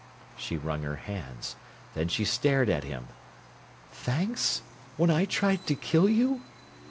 She wrung her hands. Then she stared at him. "Thanks? When I tried to kill you?"